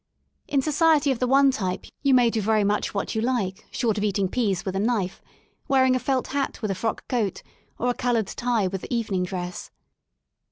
In society of the one type you may do very much what you like short of eating peas with a knife, wearing a felt hat with a frock coat, or a coloured tie with evening dress.